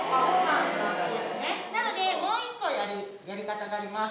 なので、もう一個、やり方があります。